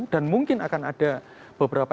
dan mungkin akan ada beberapa